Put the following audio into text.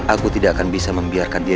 aku tidak akan bisa membiarkan dia